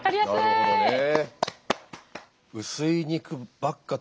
なるほどね。